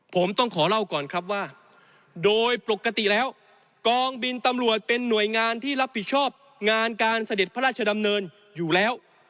ผมต้องขอเล่าก่อนครับว่าโดยปกติแล้วกองบินตำรวจเป็นหน่วยงานที่รับผิดชอบงานการเสด็จพระราชดำเนินอยู่แล้ว